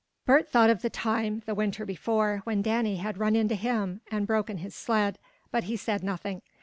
Bert thought of the time, the winter before, when Danny had run into him, and broken his sled, but he said nothing.